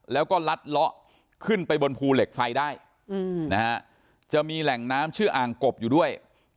แล้วก็ลัดเลาะขึ้นไปบนภูเหล็กไฟได้นะฮะจะมีแหล่งน้ำชื่ออ่างกบอยู่ด้วย